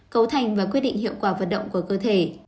cấu thành và quyết định hiệu quả hoạt động của cơ thể